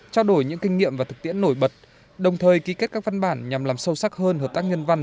trao đổi những kinh nghiệm và thực tiễn nổi bật đồng thời ký kết các văn bản nhằm làm sâu sắc hơn hợp tác nhân văn